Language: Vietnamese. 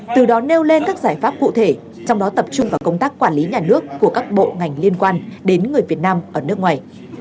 từ đó nêu lên các giải pháp cụ thể trong đó tập trung vào công tác quản lý nhà nước của các bộ ngành liên quan đến người việt nam ở nước ngoài